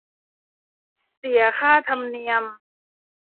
เสียค่าธรรมเนียม